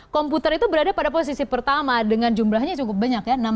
komputer itu berada pada posisi pertama dengan jumlahnya cukup banyak ya